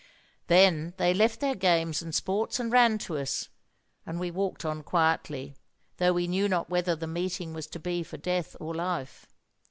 Then they left their games and sports and ran to us, and we walked on quietly, though we knew not whether the meeting was to be for death or life.